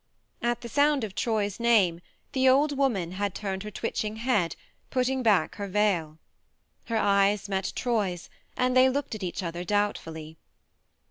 At the sound of Troy's name the 74 THE MARNE old woman had turned her twitching head, putting back her veil. Her eyes met Troy's, and they looked at each other doubtfully.